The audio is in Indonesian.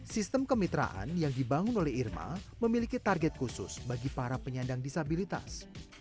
sistem kemitraan yang dibangun oleh irma memiliki target khusus bagi para penyandang disabilitas